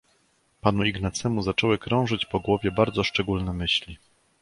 "Panu Ignacemu zaczęły krążyć po głowie bardzo szczególne myśli."